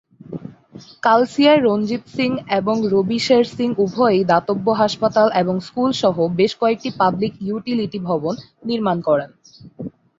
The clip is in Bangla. কালসিয়ায় রঞ্জিত সিং এবং রবি শের সিং উভয়েই দাতব্য হাসপাতাল এবং স্কুল সহ বেশ কয়েকটি পাবলিক ইউটিলিটি ভবন নির্মাণ করেন।